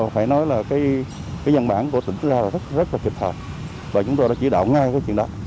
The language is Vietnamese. phải nói là cái dân bản của tỉnh ra là rất là kịp thời và chúng tôi đã chỉ đạo ngay cái chuyện đó